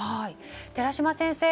寺嶋先生